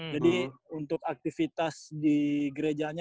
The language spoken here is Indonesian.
untuk aktivitas di gerejanya